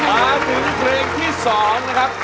มาถึงเพลงที่๒นะครับ